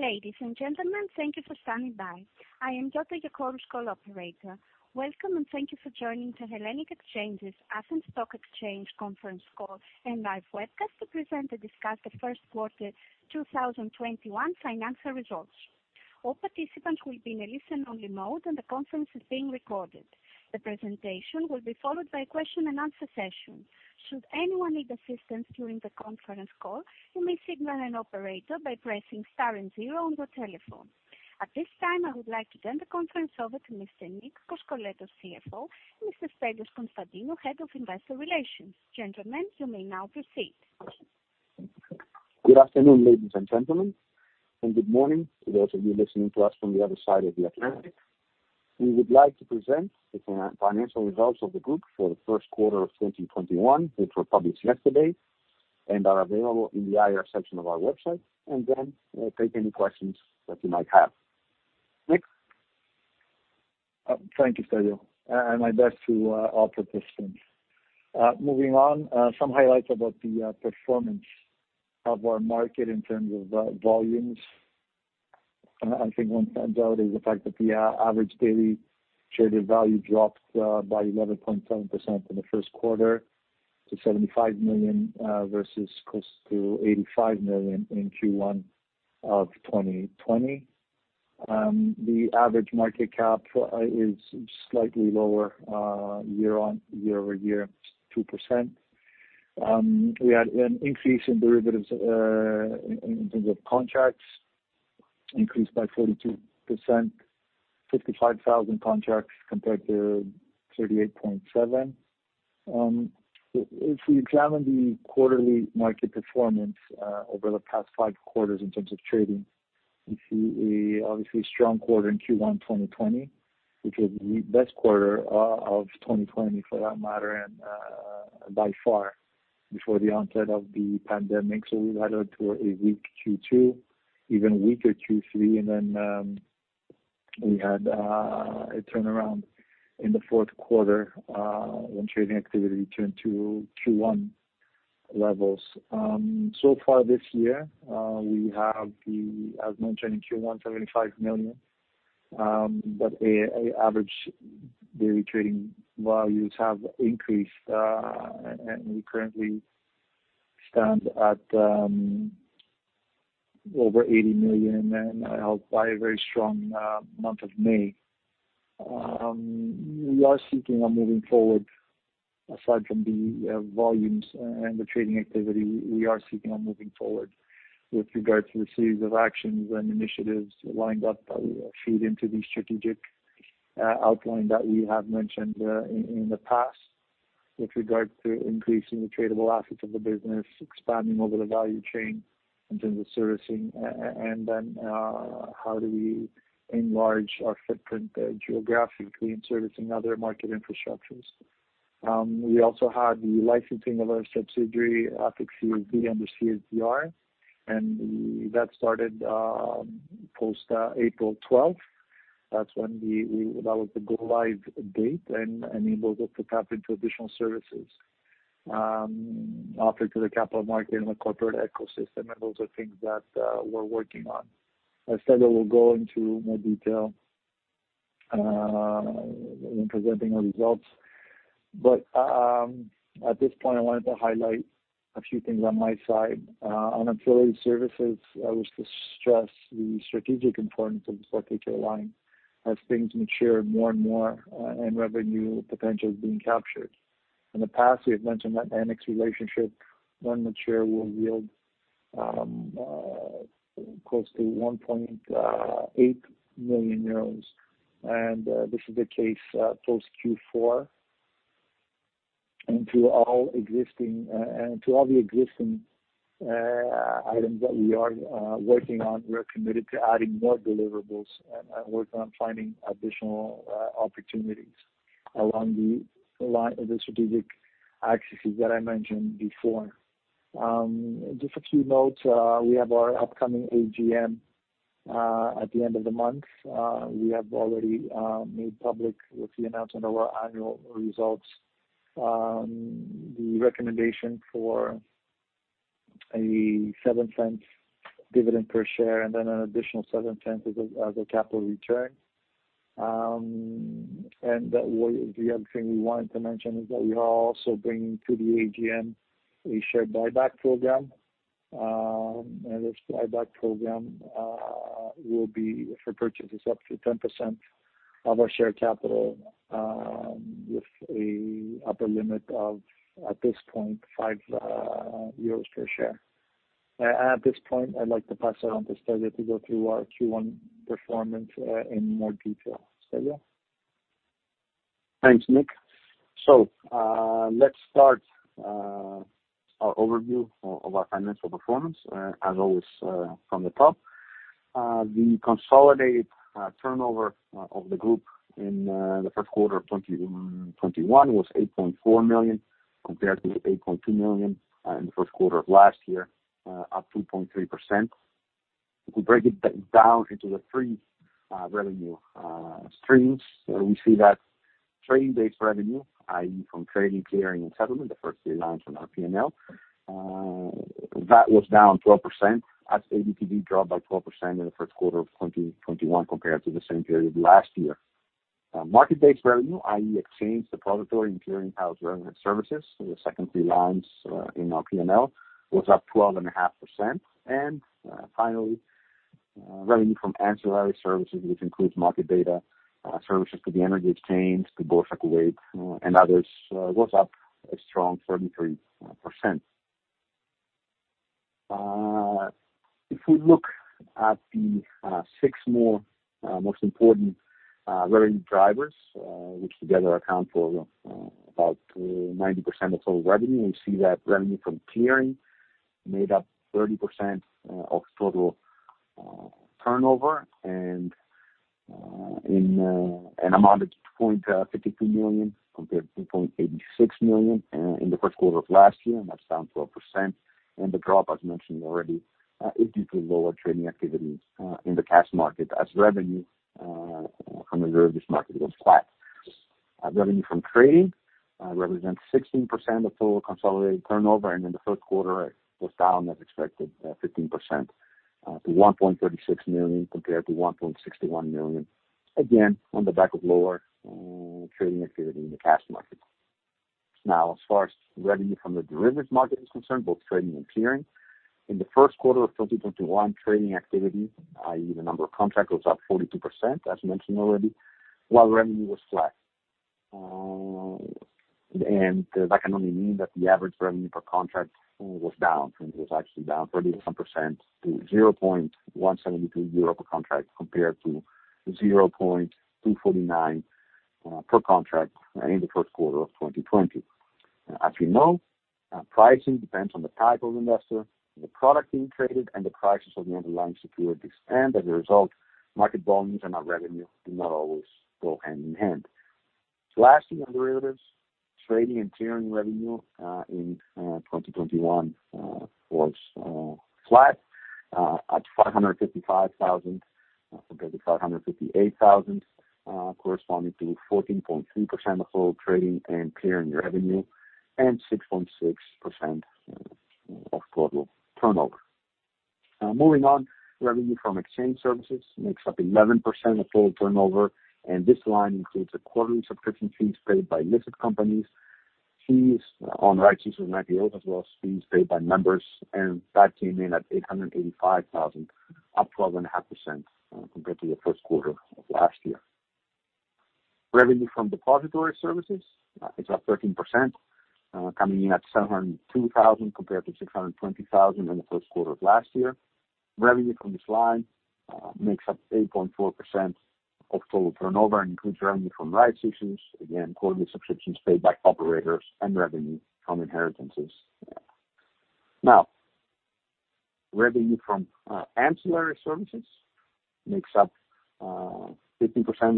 Ladies and gentlemen, thank you for standing by. I am Dot, your conference call operator. Welcome, and thank you for joining the Hellenic Exchanges Athens Stock Exchange conference call and live webcast to present and discuss the first quarter 2021 financial results. All participants will be in a listen-only mode, and the conference is being recorded. The presentation will be followed by a question and answer session. Should anyone need assistance during the conference call, you may signal an operator by pressing star and zero on your telephone. At this time, I would like to turn the conference over to Mr. Nikolaos Koskoletos, CFO, and Mr. Stelios Constantinou, Head of Investor Relations. Gentlemen, you may now proceed. Good afternoon, ladies and gentlemen, and good morning to those of you listening to us from the other side of the Atlantic. We would like to present the financial results of the group for the first quarter of 2021, which were published yesterday and are available in the IR section of our website, and then take any questions that you might have. Nik. Thank you, Stelios, and my best to all participants. Some highlights about the performance of our market in terms of volumes. I think one standout is the fact that the average daily traded value dropped by 11.7% in the first quarter to 75 million versus close to 85 million in Q1 of 2020. The average market cap is slightly lower year-over-year, 2%. We had an increase in derivatives in terms of contracts, increased by 42%, 65,000 contracts compared to 38.7. If we examine the quarterly market performance over the past five quarters in terms of trading, we see obviously a strong quarter in Q1 2020, which was the best quarter of 2020 for that matter, and by far before the onset of the pandemic. We went onto a weak Q2, even weaker Q3, and then we had a turnaround in the fourth quarter when trading activity returned to Q1 levels. Far this year, we have, as mentioned in Q1, 75 million, but average daily trading values have increased, and we currently stand at over 80 million and helped by a very strong month of May. Aside from the volumes and the trading activity, we are seeking on moving forward with regards to a series of actions and initiatives lined up that will feed into the strategic outline that we have mentioned in the past with regard to increasing the tradable assets of the business, expanding over the value chain in terms of servicing, and then how do we enlarge our footprint geographically in servicing other market infrastructures. We also had the licensing of our subsidiary, ATHEXClear, under CSDR, that started post April 12th. That was the go live date and enables us to tap into additional services offered to the capital market and the corporate ecosystem, and those are things that we're working on. As Stelios will go into more detail in presenting our results, but at this point, I wanted to highlight a few things on my side. On ancillary services, I wish to stress the strategic importance of the ATHEXClear line as things mature more and more and revenue potential is being captured. In the past, we have mentioned that EnEx relationship, when mature, will yield close to 1.8 million euros, and this is the case post Q4. To all the existing items that we are working on, we are committed to adding more deliverables and working on finding additional opportunities along the strategic axes that I mentioned before. Just a few notes. We have our upcoming AGM at the end of the month. We have already made public with the announcement of our annual results, the recommendation for a 0.07 dividend per share and then an additional 0.07 as a capital return. The other thing we wanted to mention is that we are also bringing to the AGM a share buyback program, and this buyback program will be for purchases up to 10% of our share capital with a upper limit of, at this point, 5 euros per share. At this point, I'd like to pass it on to Stelios to go through our Q1 performance in more detail. Stelios. Thanks, Nik. Let's start our overview of our financial performance, as always, from the top. The consolidated turnover of the group in the first quarter of 2021 was 8.4 million compared to 8.2 million in the first quarter of last year, up 2.3%. If we break it down into the three revenue streams, we see that Trading-based revenue, i.e., from trading, clearing, and settlement, the first three lines from our P&L, that was down 12% as ADT dropped by 12% in the first quarter of 2021 compared to the same period of last year. Market-based revenue, i.e., exchange depository and clearing house relevant services, the second three lines in our P&L, was up 12.5%. Finally, revenue from ancillary services, which includes market data services for the Hellenic Energy Exchange, the Boursa Kuwait, and others, was up a strong 33%. If we look at the six more most important revenue drivers, which together account for about 90% of total revenue, we see that revenue from clearing made up 30% of total turnover and amounted to 2.53 million compared to 2.86 million in the first quarter of last year. That's down 12%. The drop, as mentioned already, is due to lower trading activity in the cash market as revenue from the derivatives market was flat. Revenue from trading represents 16% of total consolidated turnover, and in the first quarter it was down as expected, 15% to 1.36 million compared to 1.61 million, again, on the back of lower trading activity in the cash market. Now, as far as revenue from the derivatives market is concerned, both trading and clearing, in the first quarter of 2021, trading activity, i.e., the number of contracts, was up 42%, as mentioned already, while revenue was flat. That can only mean that the average revenue per contract was down. It was actually down 37% to 0.172 euro per contract compared to 0.249 per contract in the first quarter of 2020. As you know, pricing depends on the type of investor, the product being traded, and the prices of the underlying securities, and as a result, market volumes and our revenue do not always go hand in hand. Lastly, derivatives trading and clearing revenue in 2021 was flat at 555,000 compared to 558,000, corresponding to 14.3% of total trading and clearing revenue and 6.6% of total turnover. Now moving on, revenue from exchange services makes up 11% of total turnover, and this line includes the quarterly subscription fees paid by listed companies, fees on rights issues and IPOs as well as fees paid by members, and that came in at 885,000, up 12.5% compared to the first quarter of last year. Revenue from depository services makes up 13%, coming in at 702,000 compared to 620,000 in the first quarter of last year. Revenue from this line makes up 8.4% of total turnover and includes revenue from rights issues, again, quarterly subscriptions paid by operators, and revenue from inheritances. Now, revenue from ancillary services makes up 15%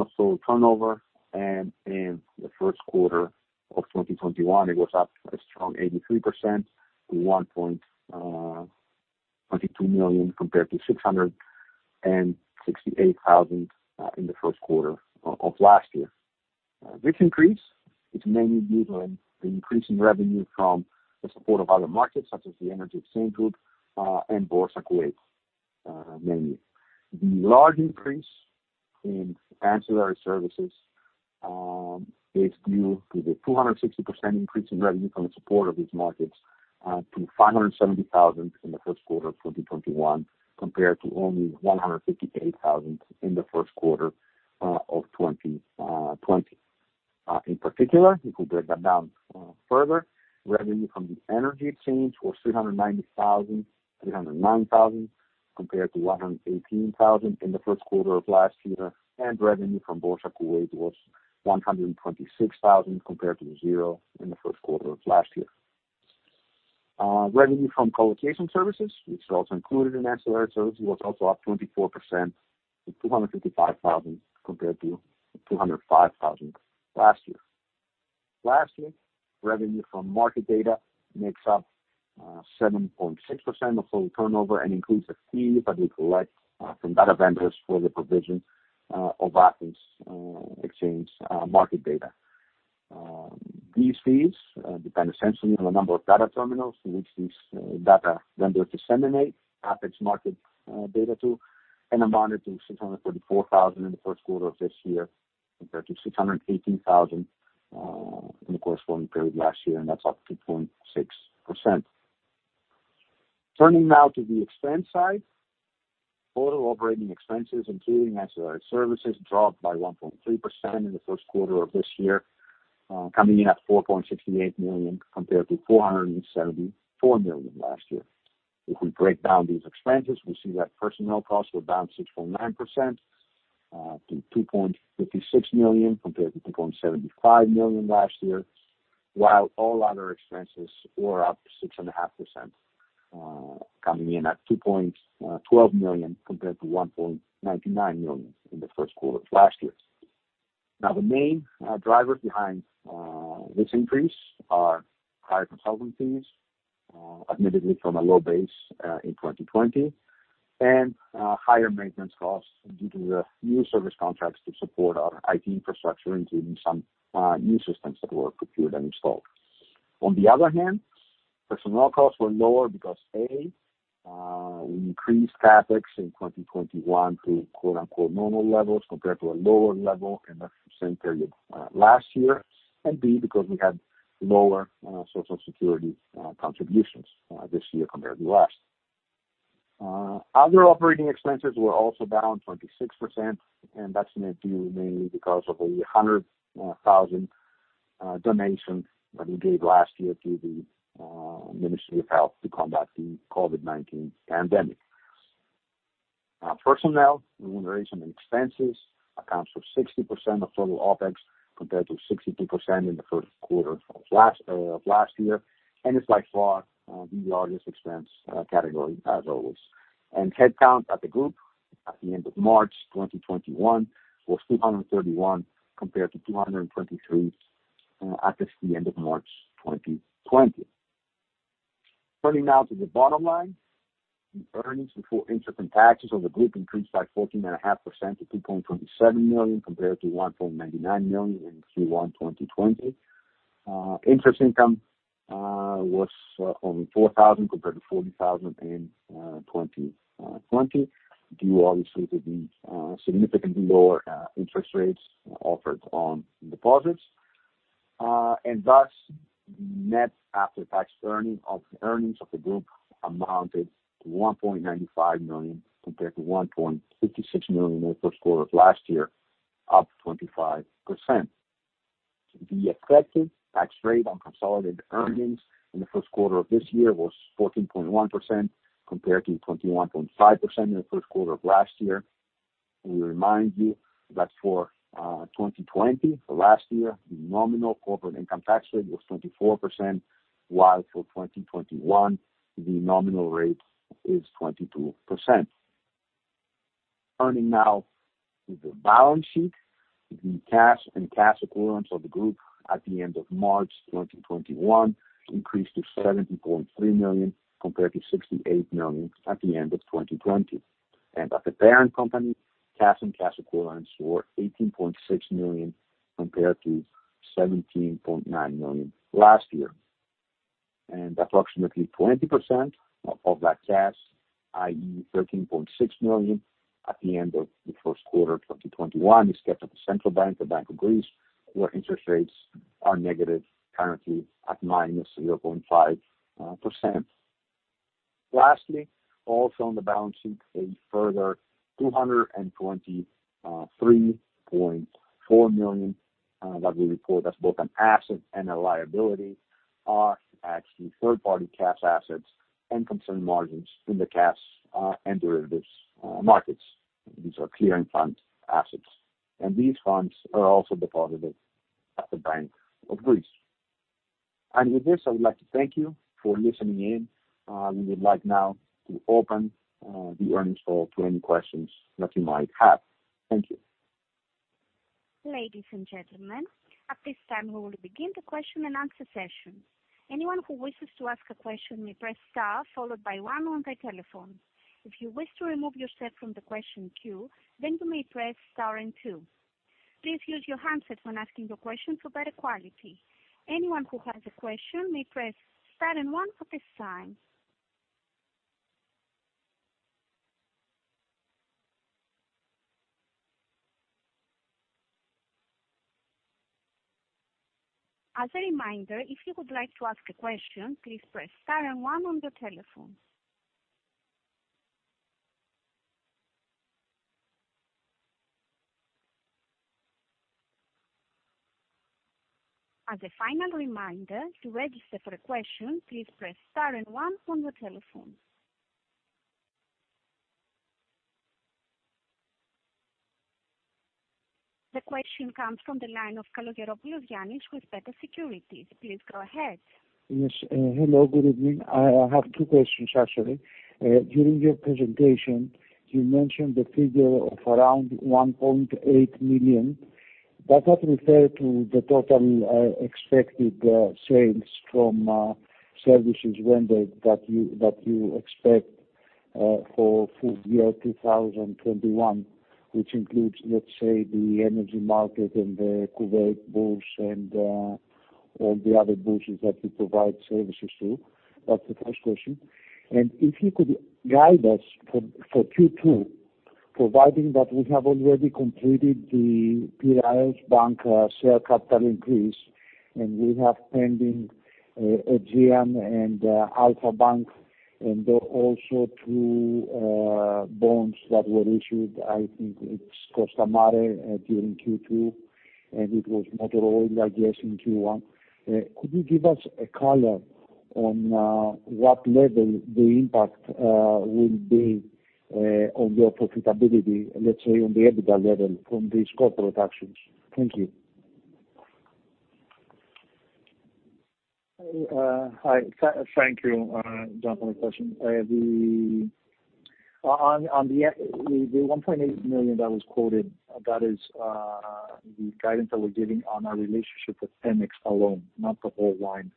of total turnover, and in the first quarter of 2021, it was up a strong 83% to 1.22 million compared to 668,000 in the first quarter of last year. This increase is mainly due to an increase in revenue from the support of other markets, such as the Hellenic Energy Exchange Group and Boursa Kuwait, mainly. The large increase in ancillary services is due to the 260% increase in revenue from the support of these markets to 570,000 in the first quarter of 2021 compared to only 158,000 in the first quarter of 2020. In particular, we can break that down further. Revenue from the Hellenic Energy Exchange was 390,000 compared to 118,000 in the first quarter of last year, and revenue from Boursa Kuwait was 126,000 compared to zero in the first quarter of last year. Revenue from colocation services, which is also included in ancillary services, was also up 24% to 255,000 compared to 205,000 last year. Lastly, revenue from market data makes up 7.6% of total turnover and includes the fee that we collect from data vendors for the provision of Athens Exchange market data. These fees depend essentially on the number of data terminals to which these data vendors disseminate Athens market data to, and amounted to 634,000 in the first quarter of this year compared to 618,000 in the corresponding period last year, and that's up 3.6%. Turning now to the expense side, total operating expenses, including ancillary services, dropped by 1.3% in the first quarter of this year, coming in at 4.68 million compared to 4.74 million last year. If we break down these expenses, we see that personnel costs were down 6.9% to 2.56 million compared to 2.75 million last year, while all other expenses were up 6.5%, coming in at 2.12 million compared to 1.99 million in the first quarter of last year. The main drivers behind this increase are higher consulting fees, admittedly from a low base in 2020, and higher maintenance costs due to the new service contracts to support our IT infrastructure, including some new systems that were procured and installed. On the other hand, personnel costs were lower because, A, we increased CapEx in 2021 to normal levels compared to a lower level in the same period last year, and B, because we had lower Social Security contributions this year compared to last. Other operating expenses were also down 26%, and that's mainly because of a 100,000 donation that we gave last year to the Ministry of Health to combat the COVID-19 pandemic. Personnel remuneration and expenses accounts for 60% of total OpEx, compared to 62% in the first quarter of last year, and it's by far the largest expense category as always. Headcount at the group at the end of March 2021 was 231 compared to 223 at the end of March 2020. Turning now to the bottom line, the earnings before interest and taxes of the group increased by 14.5% to 2.27 million, compared to 1.99 million in Q1 2020. Interest income was only 4,000 compared to 40,000 in 2020, due obviously to the significantly lower interest rates offered on deposits. Thus net after-tax earnings of the group amounted to 1.95 million, compared to 1.66 million in the first quarter of last year, up 25%. The effective tax rate on consolidated earnings in the first quarter of this year was 14.1%, compared to 21.5% in the first quarter of last year. We remind you that for 2020, so last year, the nominal corporate income tax rate was 24%, while for 2021, the nominal rate is 22%. Turning now to the balance sheet, the cash and cash equivalents of the group at the end of March 2021 increased to 70.3 million, compared to 68 million at the end of 2020. At the parent company, cash and cash equivalents were 18.6 million, compared to 17.9 million last year. Approximately 20% of that cash, i.e., 13.6 million, at the end of the first quarter 2021, is kept at the Central Bank, the Bank of Greece, where interest rates are negative currently at -0.5%. Lastly, also on the balance sheet, a further 223.4 million that we report as both an asset and a liability are actually third-party cash assets and concern margins in the cash and derivatives markets. These are clearing fund assets, and these funds are also deposited at the Bank of Greece. With this, I would like to thank you for listening in. We would like now to open the earnings call to any questions that you might have. Thank you. Ladies and gentlemen, at this time, we will begin the question-and-answer session. Anyone who wishes to ask a question, may press star followed by one on their telephone. If you wish to remove yourself from the question queue, then you may press star and two. Please use your handset when asking the question for better quality. Anyone who has a question may press star and one at this time. As a reminder, if you would like to ask a question, please press star and one on your telephones. As a final reminder, to register for a question, please press star and one on your telephones. The question comes from the line of Kalogeropoulos Yiannis with Beta Securities. Please go ahead. Yes. Hello, good evening. I have two questions actually. During your presentation, you mentioned the figure of around 1.8 million. Does that refer to the total expected sales from services rendered that you expect for full-year 2021, which includes, let's say, the energy market and the Boursa Kuwait and all the other bourses that you provide services to? That's the first question. If you could guide us for Q2, providing that we have already completed the Piraeus Bank share capital increase, and we have pending Aegean and Alpha Bank, and also two bonds that were issued, I think it's Costamare during Q2, and it was Motor Oil, I guess, in Q1. Could you give us a color on what level the impact will be on your profitability, let's say on the EBITDA level from these corporate actions? Thank you. Hi. Thank you for those questions. On the 1.8 million that was quoted, that is the guidance that we're giving on our relationship with EnEx alone, not the whole line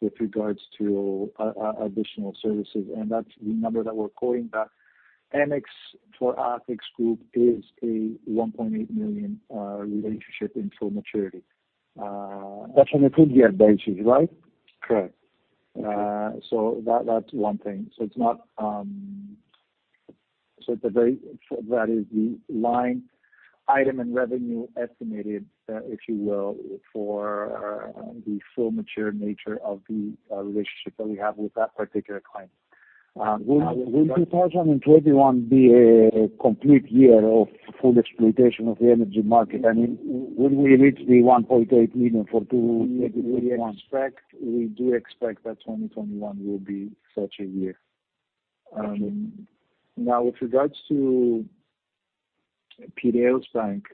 with regards to additional services, and that's the number that we're quoting, that EnEx for ATHEX Group is a 1.8 million relationship in full maturity. That's on a per year basis, right? Correct. That's one thing. That is the line item in revenue estimated, if you will, for the full mature nature of the relationship that we have with that particular client. Will 2021 be a complete year of full exploitation of the energy market? I mean, will we reach the 1.8 million for 2021? We do expect that 2021 will be such a year. Okay. With regards to Piraeus Bank.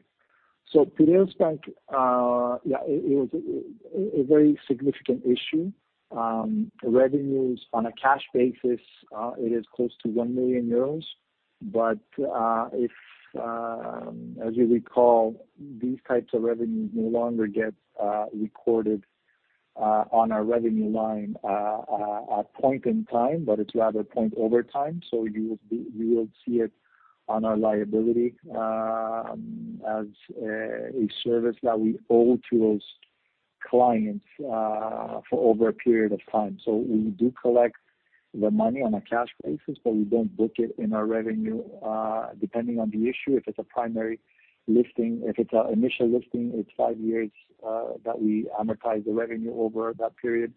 Piraeus Bank, yeah, it is a very significant issue. Revenues on a cash basis, it is close to 1 million euros, as you recall, these types of revenues no longer get recorded on our revenue line at a point in time, but it's rather point over time. You will see it on our liability as a service that we owe to those clients for over a period of time. We do collect the money on a cash basis, we don't book it in our revenue. Depending on the issue, if it's a primary listing, if it's an initial listing, it's five years that we amortize the revenue over that period.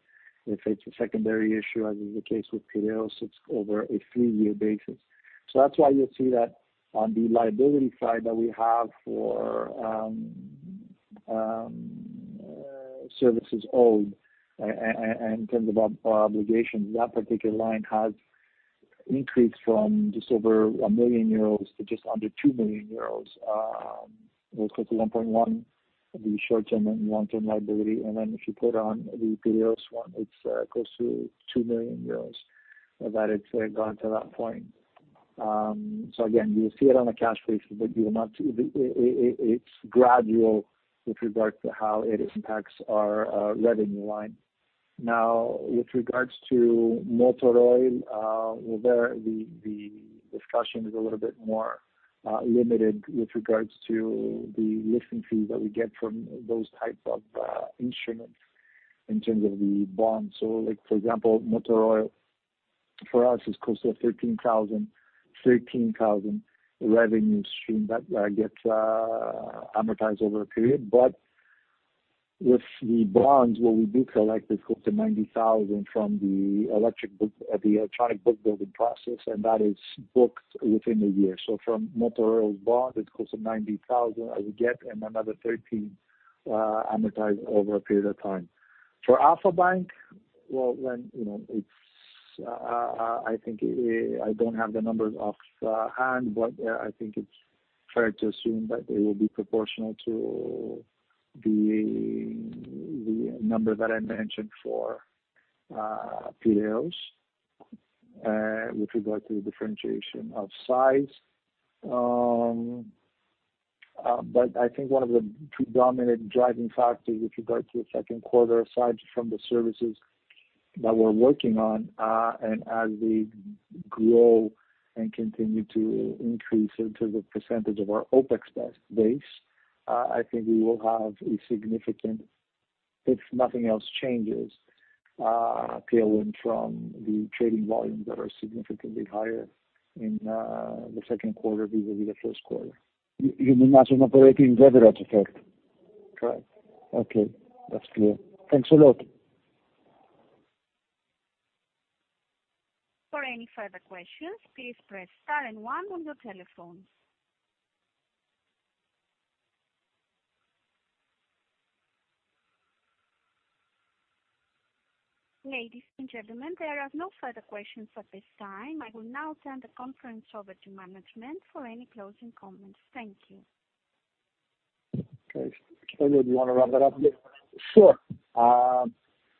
If it's a secondary issue, as is the case with Piraeus, it's over a three-year basis. That's why you'll see that on the liability side that we have for services owed and in terms of our obligation, that particular line has increased from just over 1 million euros to just under 2 million euros. We'll take 1.1 of the short-term and long-term liability, and then if you put on the Piraeus one, it's close to 2 million euros that it's gone to that point. Again, you'll see it on a cash basis, but it's gradual with regard to how it impacts our revenue line. Now, with regards to Motor Oil, well, there the discussion is a little bit more limited with regards to the listing fee that we get from those types of instruments in terms of the bonds. Like for example, Motor Oil for us is close to 13,000 revenue stream that gets amortized over a period. With the bonds, what we do collect is close to 90,000 from the electronic book building process, and that is booked within a year. From Motor Oil bond, it's close to 90,000 that we get and another 13 amortized over a period of time. For Alpha Bank, I don't have the numbers offhand, I think it's fair to assume that they will be proportional to the number that I mentioned for Piraeus with regard to the differentiation of size. I think one of the predominant driving factors with regard to the second quarter, aside from the services that we're working on and as they grow and continue to increase in terms of percentage of our OpEx base, I think we will have a significant, if nothing else changes, tailwind from the trading volumes that are significantly higher in the second quarter vis-a-vis the first quarter. You mean margin operating leverage effect? Correct. Okay, that's clear. Thanks a lot. For any further questions, please press star and one on your telephones. Ladies and gentlemen, there are no further questions at this time. I will now turn the conference over to management for any closing comments. Thank you. Okay. Stelios, you want to wrap it up here? Sure.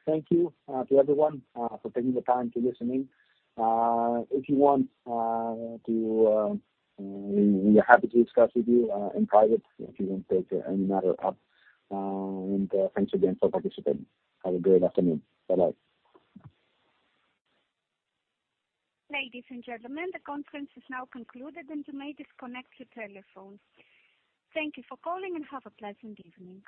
Thank you to everyone for taking the time to listen in. We are happy to discuss with you in private if you want to take any matter up. Thank you again for participating. Have a great afternoon. Bye-bye. Ladies and gentlemen, the conference is now concluded. You may disconnect your telephones. Thank you for calling and have a pleasant evening.